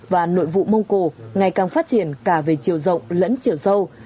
và nội vụ mông cổ ngày càng phát triển cả về chiều rộng lẫn chiều sâu